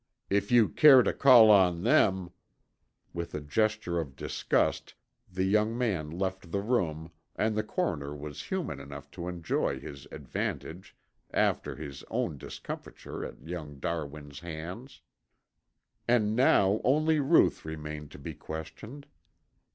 "If you care to call on them " With a gesture of disgust the young man left the room and the coroner was human enough to enjoy his advantage after his own discomfiture at young Darwin's hands. And now only Ruth remained to be questioned.